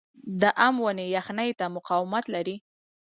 د ام ونې یخنۍ ته مقاومت لري؟